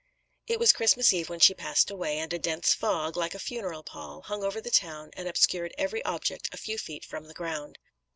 [B] "It was Christmas Eve when she passed away, and a dense fog, like a funeral pall, hung over the town and obscured every object a few feet from the ground.